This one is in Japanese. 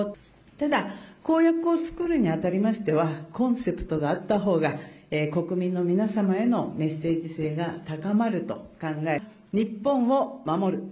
ただ公約を作るに当たりましては、コンセプトがあったほうが、国民の皆様へのメッセージ性が高まると考え、日本を守る。